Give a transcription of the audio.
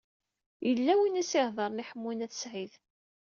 Yella win i s-iheḍṛen i Ḥemmu n At Sɛid.